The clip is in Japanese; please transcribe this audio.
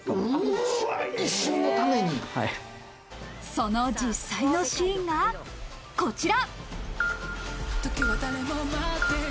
その実際のシーンがこちら。